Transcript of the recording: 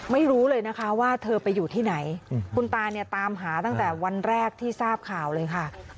ไม่รู้เลยนะคะว่าเธอไปอยู่ที่ไหนคุณตาเนี่ยตามหาตั้งแต่วันแรกที่ทราบข่าวเลยค่ะ